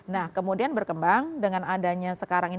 nah kemudian berkembang dengan adanya sekarang ini